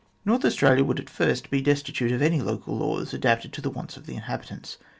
North Australia would at first be destitute of any local laws adapted to the wants of the inhabitants.